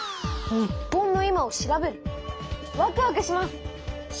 日本の今を調べるワクワクします！